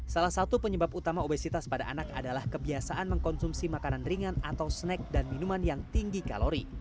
salah satu penyebab utama obesitas pada anak adalah kebiasaan mengkonsumsi makanan ringan atau snack dan minuman yang tinggi kalori